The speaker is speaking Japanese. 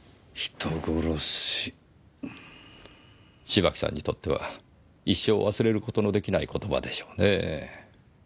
芝木さんにとっては一生忘れる事のできない言葉でしょうねぇ。